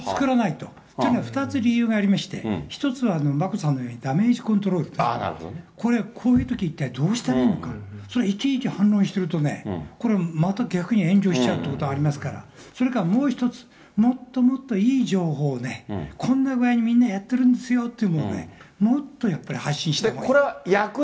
というのは、２つ理由がありまして、１つは眞子さんのようにダメージコントロール、これ、こういうときは一体どうしたらいいんだと、それはいちいち反応してるとね、これ、また逆に炎上しちゃうということがありますから、それからもう１つ、もっともっといい情報をね、こんな具合にみんなやっているんですよというのを、もっとやっぱり発信してもらいたい。